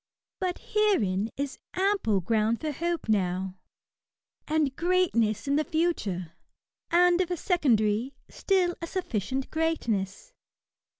But herein is ample ground for hope now^ and greatness in the future ; and if a secondary^ still a sufficient greatness.